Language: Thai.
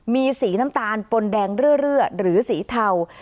มีสีน้ำตาลปนแดงเรื่อยหรือสีเทา